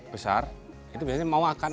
besar itu biasanya mau akan